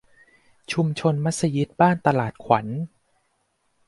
ชุมชนมัสยิดบ้านตลาดขวัญ